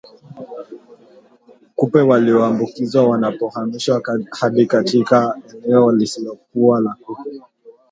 Kupe walioambukizwa wanapohamishwa hadi katika eneo lisilokuwa na kupe